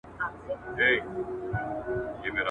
ښه مي خړوب که په ژوند کي څه دي؟ ,